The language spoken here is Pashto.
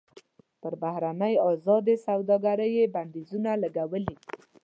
پر بهرنۍ ازادې سوداګرۍ یې بندیزونه لګولي.